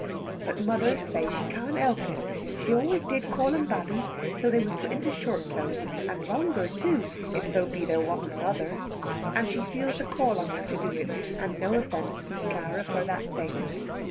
But mother say she can't help it: she always did call them babbies till they was put into short clothes, and longer too, if so be there wasn't another, and she feels a call on her to do it, and no offence Miss Clara for that same.